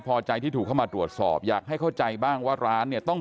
พอใจที่ถูกเข้ามาตรวจสอบอยากให้เข้าใจบ้างว่าร้านเนี่ยต้อง